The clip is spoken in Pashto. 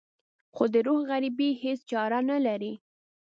خو د روح غريبي هېڅ چاره نه لري.